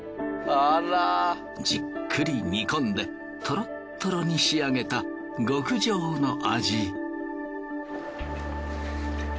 じっくり煮込んでトロットロに仕上げた極上の味。